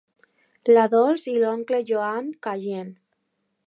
La Dols i l'oncle Joan callen.